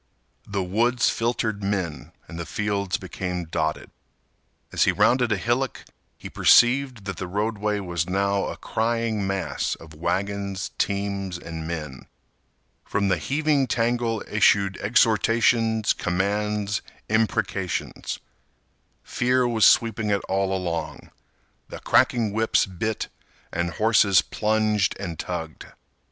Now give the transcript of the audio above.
The woods filtered men and the fields became dotted. As he rounded a hillock, he perceived that the roadway was now a crying mass of wagons, teams, and men. From the heaving tangle issued exhortations, commands, imprecations. Fear was sweeping it all along. The cracking whips bit and horses plunged and tugged.